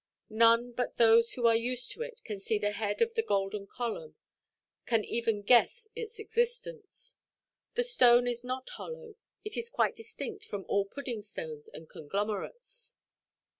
None but those who are used to it can see the head of the golden column, can even guess its existence. The stone is not hollow; it is quite distinct from all pudding–stones and conglomerates.